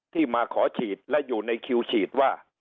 ที่มาขอฉีดและอยู่ในคิวฉีดว่า